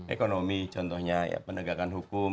ekonomi contohnya ya penegakan hukum